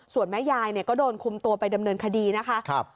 ส่วนแม่ยายก็โดนคุมตัวไปดำเนินคดีนะคะ